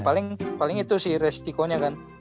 paling paling itu sih resikonya kan